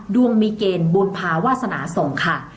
ดวงมีเกณฑ์บุญภาวาสนาส่งค่ะ